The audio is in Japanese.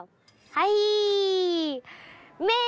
はい。